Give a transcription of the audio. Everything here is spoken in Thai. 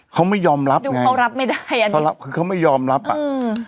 เขาไม่ยอมรับดูเขารับไม่ได้อันนี้เขารับคือเขาไม่ยอมรับอ่ะอืม